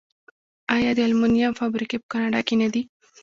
آیا د المونیم فابریکې په کاناډا کې نه دي؟